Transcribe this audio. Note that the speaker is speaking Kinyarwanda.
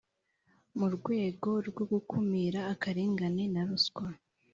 mu rwego rwo gukumira akarengane na ruswa,